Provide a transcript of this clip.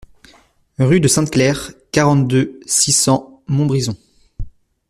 Rue de Sainte-Claire, quarante-deux, six cents Montbrison